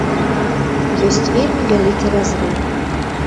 Ёсць вельмі вялікі разрыў.